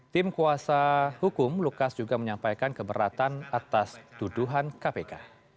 tim kuasa hukum lukas juga menyampaikan keberatan atas tuduhan kpk